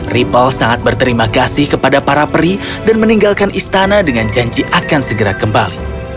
ripple sangat berterima kasih kepada para peri dan meninggalkan istana dengan janji akan segera kembali